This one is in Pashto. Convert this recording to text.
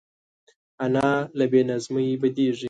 انا له بې نظمۍ بدېږي